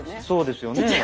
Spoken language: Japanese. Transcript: そうですよね。